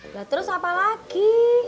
ya terus apa lagi